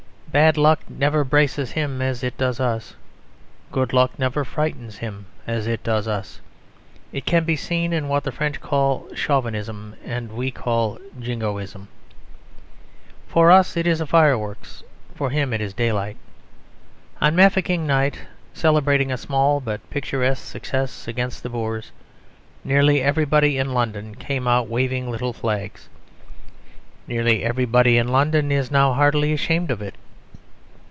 Bad luck never braces him as it does us. Good luck never frightens him as it does us. It can be seen in what the French call Chauvinism and we call Jingoism. For us it is fireworks; for him it is daylight. On Mafeking Night, celebrating a small but picturesque success against the Boers, nearly everybody in London came out waving little flags. Nearly everybody in London is now heartily ashamed of it.